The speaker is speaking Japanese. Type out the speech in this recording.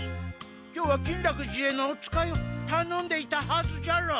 今日は金楽寺へのお使いをたのんでいたはずじゃろう。